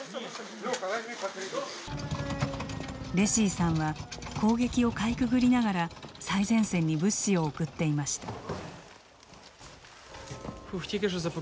レシィさんは攻撃をかいくぐりながら最前線に物資を送っていました。